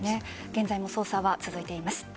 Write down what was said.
現在も捜査は続いています。